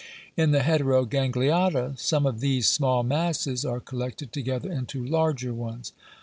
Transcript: In the Heterogangliata, some of these small masses are collected together into larger ones.